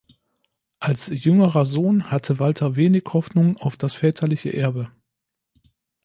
Als jüngerer Sohn hatte Walter wenig Hoffnung auf das väterliche Erbe.